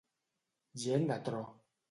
Gent de tro.